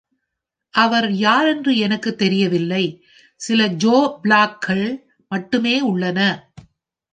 அவர் யார் என்று எனக்குத் தெரியவில்லை: சில ஜோ ப்ளாக்கள் மட்டுமே உள்ளன